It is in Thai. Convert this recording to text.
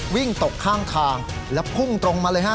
วิ่งตกข้างทางแล้วพุ่งตรงมาเลยฮะ